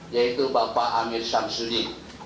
yaitu bapak amir syamsudi